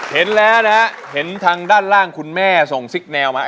เห็นแล้วนะฮะเห็นทางด้านล่างคุณแม่ส่งซิกแนวมา